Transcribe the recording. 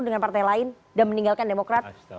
dengan partai lain dan meninggalkan demokrat